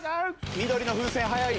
緑の風船早い。